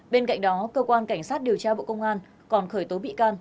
bên cạnh đó cơ quan cảnh sát điều tra bộ công an còn khởi tố bị can